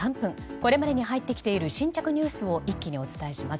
これまでに入ってきている新着ニュースを一気にお伝えします。